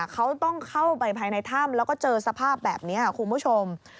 เขาต้องเข้าไปภายในถ้ำแล้วก็เจอสภาพแบบนี้คุณผู้ชม